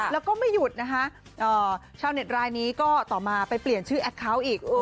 แล้วก็ไม่หยุดนะคะชาวเน็ตรายนี้ก็ต่อมาไปเปลี่ยนชื่อแอคเคาน์อีก